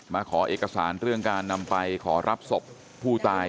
มาขอเอกสารเรื่องการนำไปขอรับศพผู้ตาย